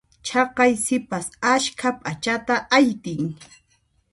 Chaqay sipas askha p'achata aytin.